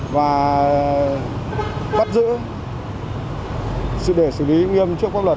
và bắt giữ để xử lý nghiêm trước pháp luật